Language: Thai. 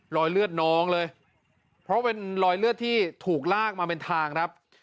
รอยเลือดน้องเลยเพราะเป็นรอยเลือดที่ถูกลากมาเป็นทางครับ